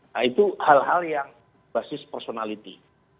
nah itu hal hal yang basis personality